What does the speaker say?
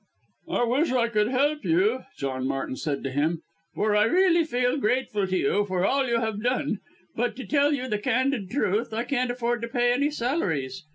"I wish I could help you," John Martin said to him, "for I really feel grateful to you for all you have done, but to tell you the candid truth, I can't afford to pay any salaries.